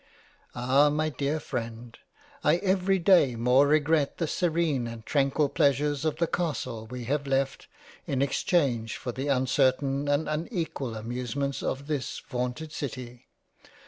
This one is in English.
Ah ! my dear Freind I every day more regret the serene and tranquil Pleasures of the Castle we have left, in exchange for the uncertain and unequal Amusements of this vaunted City.